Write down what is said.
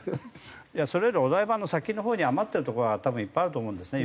それよりお台場の先のほうに余ってるとこが多分いっぱいあると思うんですね